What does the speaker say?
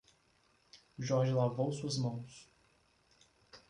Jorge lavou suas mãos